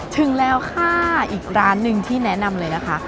ถึงแล้วค่ะอีกร้านหนึ่งที่แนะนำเลยนะคะ